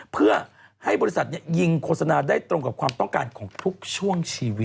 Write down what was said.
เพื่อให้บริษัทยิงโฆษณาได้ตรงกับความต้องการของทุกช่วงชีวิต